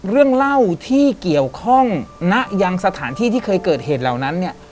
เรื่องเล่าที่เกี่ยวข้องณยังสถานที่ที่เคยเกิดเหตุเหล่านั้นเนี่ย